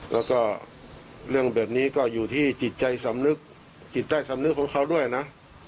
แล้วก็เรื่องแบบนี้ก็อยู่ที่จิตใจสำนึกจิตใต้สำนึกของเขาด้วยนะ